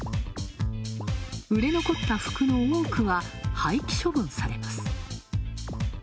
売れ残った服の多くは廃棄処分されます。